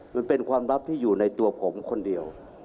มันเป็นความลับที่อยู่ในตัวผมคนเดียว